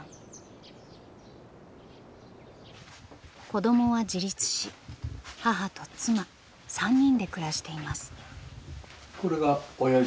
子供は自立し母と妻３人で暮らしています。